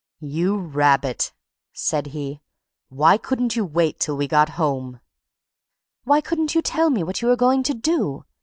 "You rabbit!" said he. "Why couldn't you wait till we got home?" "Why couldn't you tell me what you were going to do?"